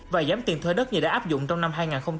và giảm tiền thuê đất như đã áp dụng trong năm hai nghìn hai mươi